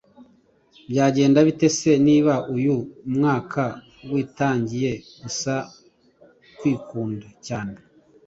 byagenda bite se niba uyu mwaka witangiye gusa kwikunda cyane